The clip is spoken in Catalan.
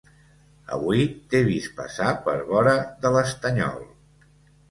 Avui t'he vist passar per vora de l'estanyol